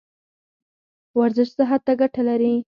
ورزش صحت ته ګټه لري